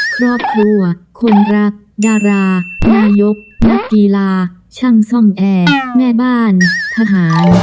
ครอบครัวคนรักดารานายกนักกีฬาช่างซ่อมแอร์แม่บ้านทหาร